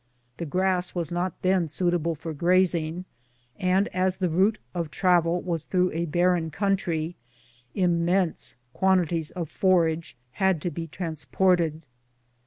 The grass was not then suitable for grazing, and as the route of travel was through a barren country, immense quantities of forage had to be transported.